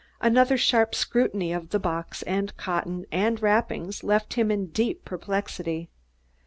Another sharp scrutiny of box and cotton and wrappings left him in deep perplexity.